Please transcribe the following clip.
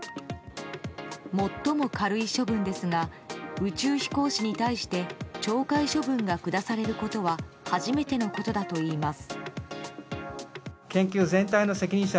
最も軽い処分ですが宇宙飛行士に対して懲戒処分が下されることは初めてのことだといいます。